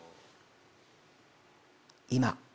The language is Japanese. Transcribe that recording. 今。